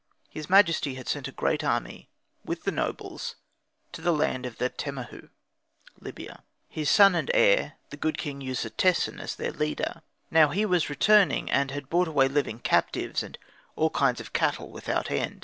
His majesty had sent a great army with the nobles to the land of the Temehu (Lybia), his son and heir, the good god king Usertesen as their leader. Now he was returning, and had brought away living captives and all kinds of cattle without end.